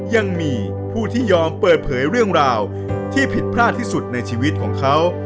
ยังมีผู้ที่ยอมเปิดเผยเรื่องราวที่ผิดพลาดที่สุดในชีวิตของเขา